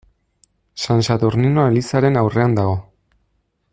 San Saturnino elizaren aurrean dago.